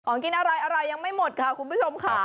ของกินอะไรยังไม่หมดค่ะคุณผู้ชมค่ะ